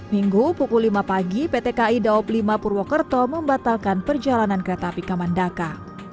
minggu pukul lima pagi pt kai daob lima purwokerto membatalkan perjalanan kereta api kamandaka